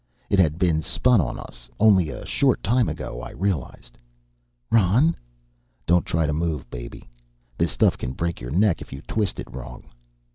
It had been spun on us only a short time ago, I realized. "Ron " "Don't try to move, baby. This stuff can break your neck if you twist it wrong."